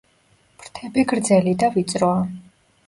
ფრთები გრძელი და ვიწროა.